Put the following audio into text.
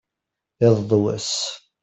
iḍ d wass